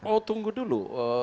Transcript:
oh tunggu dulu